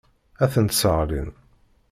Ad tent-sseɣlin.